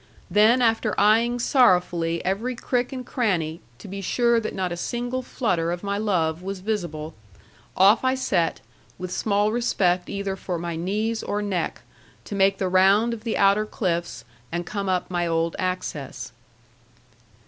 Then after eyeing sorrowfully every crick and cranny to be sure that not a single flutter of my love was visible, off I set, with small respect either for my knees or neck, to make the round of the outer cliffs, and come up my old access.